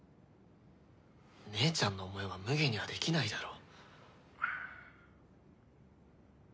姉ちゃんの思いはむげにはできないだろ。